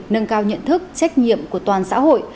nâng cao nhận thức trách nhiệm của toàn xã hội